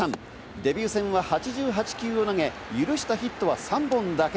デビュー戦は８８球を投げ、許したヒットは３本だけ。